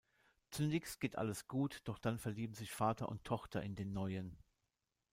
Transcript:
Zunächst geht alles gut, doch dann verlieben sich Vater und Tochter in den Neuen.